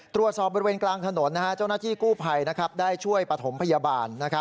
บริเวณกลางถนนเจ้าหน้าที่กู้ภัยได้ช่วยปฐมพยาบาล